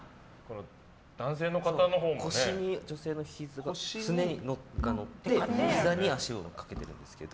腰に女性のひざが乗ってひざに足をかけてるんですけど。